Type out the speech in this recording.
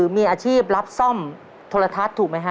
มีอาชีพรับซ่อมโทรทัศน์ถูกไหมฮะ